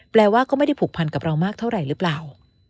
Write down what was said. ว่าก็ไม่ได้ผูกพันกับเรามากเท่าไหร่หรือเปล่า